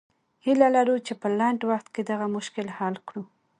هیله لرو چې په لنډ وخت کې دغه مشکل حل کړو.